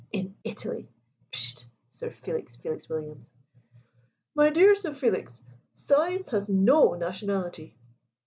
"In Italy!" pish'd Sir Felix Felix Williams. "My dear Sir Felix, science has no nationality."